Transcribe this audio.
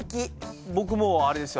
僕もうあれですよ